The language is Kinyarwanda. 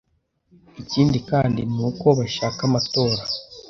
Ikindi kandi ni uko bashaka amatora